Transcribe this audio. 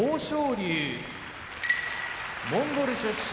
龍モンゴル出身